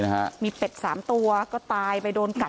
ก็หมามันมากัดเป็ดไก่จริงนี่นะคะเป็นคอกเป็ดคอกไก่